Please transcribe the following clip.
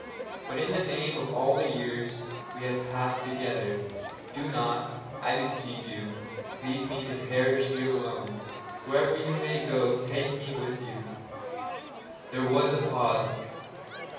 But in the name of all the years we have passed together, do not, I beseech you, leave me to perish here alone! Wherever you may go take me with you!' There was a pause.